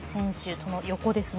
その横ですね。